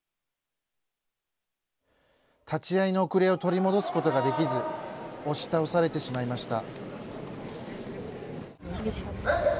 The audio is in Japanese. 立ち合いの遅れを取り戻すことができず押し倒されてしまいました。